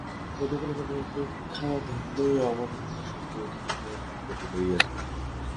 অন্য কোন প্রণালী অপেক্ষা ধ্যানই আমাদিগকে সত্যের অধিকতর নিকটে লইয়া যায়।